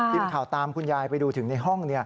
ทีมข่าวตามคุณยายไปดูถึงในห้อง